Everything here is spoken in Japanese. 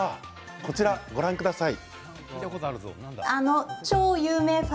こちらご覧ください。